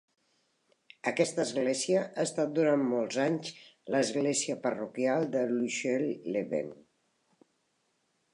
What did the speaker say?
Aquesta església ha estat durant molts anys l'església parroquial de Luxeuil-les-Bains.